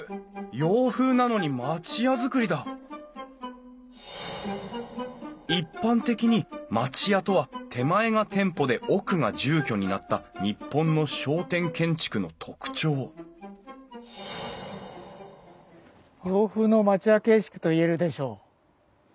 洋風なのに町屋造りだ一般的に町屋とは手前が店舗で奥が住居になった日本の商店建築の特徴洋風の町屋形式といえるでしょう。